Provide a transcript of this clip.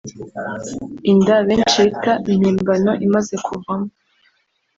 Inda [benshi bita impimbano] imaze kuvamo